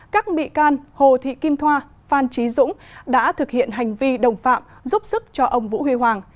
các bị can hồ thị kim thoa phan trí dũng đã thực hiện hành vi đồng phạm giúp sức cho ông vũ huy hoàng